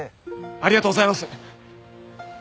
ありがとうございます！